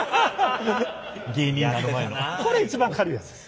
これ一番軽いやつです。